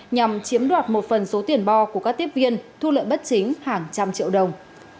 nhằm chiếm đoạt một phần số tiền bo của các tiếp viên thu lợi bất chính hàng trăm triệu đồng